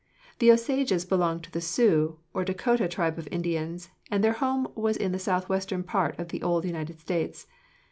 The Osages belonged to the Sioux, or Dacotah, tribe of Indians, and their home was in the south western part of the old United States.